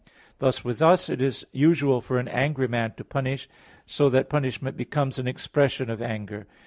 Thus with us it is usual for an angry man to punish, so that punishment becomes an expression of anger.